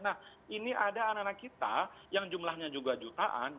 nah ini ada anak anak kita yang jumlahnya juga jutaan